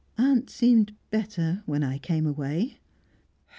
"Aunt seemed better when I came away."